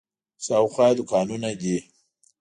شاوخوا یې دوکانونه دي.